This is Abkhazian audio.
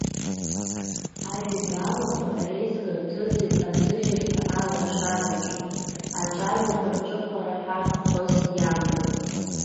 Ажәеинраалақәа реизга ҭыҵит аҭыжьырҭа Алашараҿы, Аҿаҩақәа рҿыхара ҳәа, хыс иаманы.